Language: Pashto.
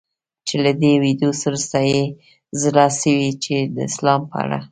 چي له دې ویډیو وروسته یې زړه سوی چي د اسلام په اړه